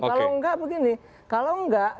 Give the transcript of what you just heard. kalau enggak begini kalau enggak